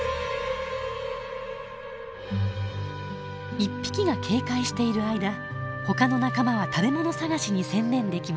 １匹が警戒している間ほかの仲間は食べ物探しに専念できます。